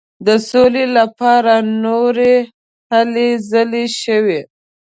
د سولي لپاره نورې هلې ځلې شوې.